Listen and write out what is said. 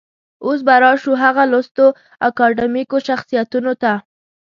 اوس به راشو هغه لوستو اکاډمیکو شخصيتونو ته.